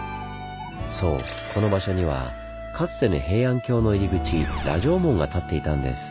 そうこの場所にはかつての平安京の入り口羅城門が立っていたんです。